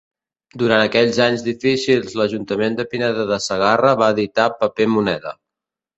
Durant aquells anys difícils l'ajuntament de Pineda de Segarra va editar paper moneda.